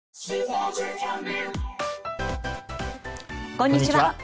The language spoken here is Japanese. こんにちは。